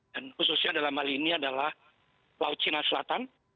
dan khususnya dalam hal ini adalah laut cina selatan